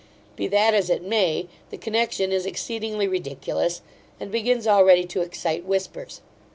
Be that as it may, the connexion is exceedingly ridiculous, and begins already to excite whispers.